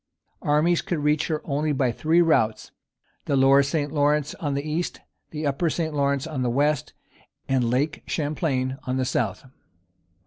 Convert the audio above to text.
Armies could reach her only by three routes, the Lower St. Lawrence on the east, the Upper St. Lawrence on the west, and Lake Champlain on the south.